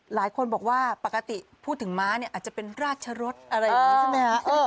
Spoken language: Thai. หลายคนบอกว่าปกติพูดถึงม้าเนี่ยอาจจะเป็นราชรสอะไรอย่างนี้ใช่ไหมฮะ